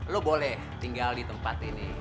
lo boleh tinggal di tempat ini